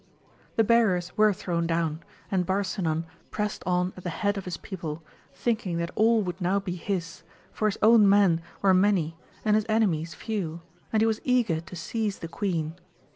The barriers were thrown down, and Barsinan prest on at the head of his people, thinking that all would now be his, for his own men were many and his enemies few, and he was eager to seize the queen.